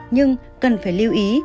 nhưng cần phải lưu ý